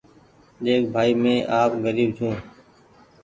ۮيک ڀآئي مينٚ آپ غريب ڇوٚنٚ